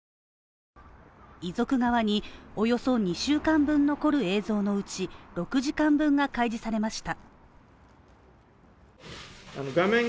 遺族側におよそ２週間分残る映像のうち６時間分が開示されました。